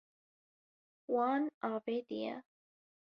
Wan avêtiye.